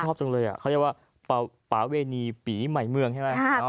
ชอบจังเลยเขาเรียกว่าป่าเวณีปีใหม่เมืองใช่ไหม